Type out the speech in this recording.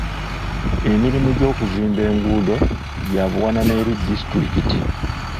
Emirimu gy'okuzimba enguudo gya buwanana eri disitulikiti.